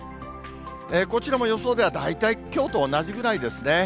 こちらも予想では大体きょうと同じぐらいですね。